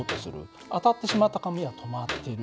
当たってしまった紙は止まってる。